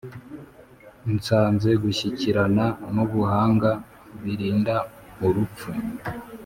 nsanze gushyikirana n’Ubuhanga birinda urupfu;